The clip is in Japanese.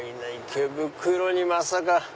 池袋にまさか。